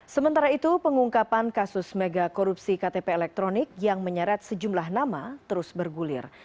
sementara itu pengungkapan kasus mega korupsi ktp elektronik yang menyeret sejumlah nama terus bergulir